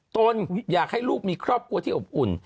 ตนอยากให้ลูกมีครอบครัวที่อบอุ่น